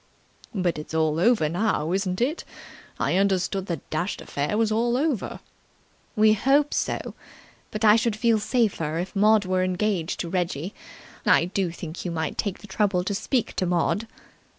"But it's all over now, isn't it? I understood the dashed affair was all over." "We hope so. But I should feel safer if Maud were engaged to Reggie. I do think you might take the trouble to speak to Maud."